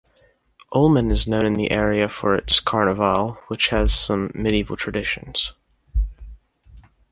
Olmen is known in the area for its Carnaval, which has some medieval traditions.